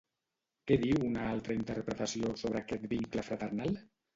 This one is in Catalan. Què diu una altra interpretació sobre aquest vincle fraternal?